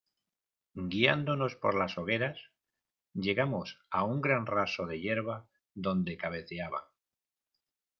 guiándonos por las hogueras, llegamos a un gran raso de yerba donde cabeceaban